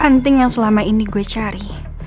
penting yang selama ini gue cari